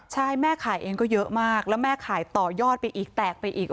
ใช่แม่ขายเองก็เยอะมากแล้วแม่ขายต่อยอดไปอีกแตกไปอีก